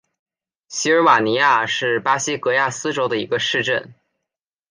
锡尔瓦尼亚是巴西戈亚斯州的一个市镇。